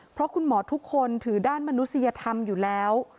เพราะคุณหมอทุกคนถือด้านมนุษยธรรมอยู่แล้ว